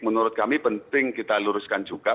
menurut kami penting kita luruskan juga